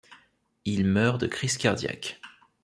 Il meurt de crise cardiaque.